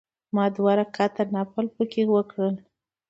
ما دوه رکعته نفل په کې وکړل.